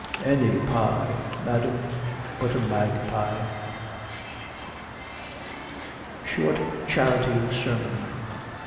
"Any pie, madam, but a magpie." SHORT CHARITY SERMON.